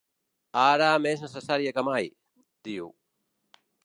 Ara més necessària que mai, diu.